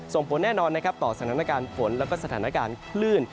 ส่งผลแน่นอนต่อสถานการณ์ฝนและสถานการณ์คลื่น